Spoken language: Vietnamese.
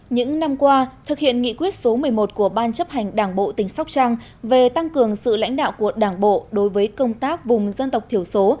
những năm qua thực hiện nghị quyết số một mươi một của ban chấp hành đảng bộ tỉnh sóc trăng về tăng cường sự lãnh đạo của đảng bộ đối với công tác vùng dân tộc thiểu số